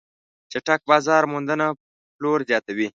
چټک بازار موندنه پلور زیاتوي.